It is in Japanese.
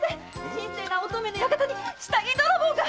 神聖な乙女の館に下着泥棒が！